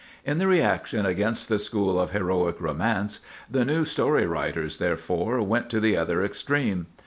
In the reaction against the school of heroic romance, the new story writers, therefore, went to the other extreme.